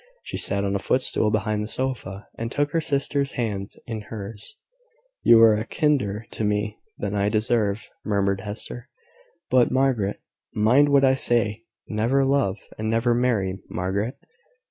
She sat on a footstool beside the sofa, and took her sister's hand in hers. "You are kinder to me than I deserve," murmured Hester: "but, Margaret, mind what I say! never marry, Margaret! Never love, and never marry, Margaret!"